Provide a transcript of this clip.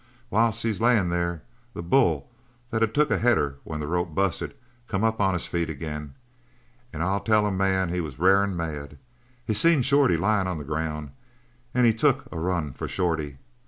"Whilst he was lyin' there, the bull, that had took a header when the rope busted, come up on his feet agin, and I'll tell a man he was rarin' mad! He seen Shorty lyin' on the ground, and he took a run for Shorty.